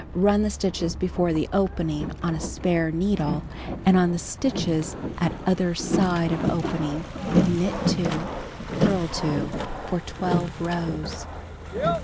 Run the stitches before the opening on a spare needle and on the stitches at other side of opening knit 2, purl 2 for 12 rows.